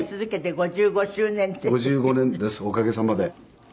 ５５年ですおかげさまで。